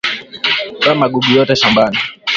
Toa magugu yote shambani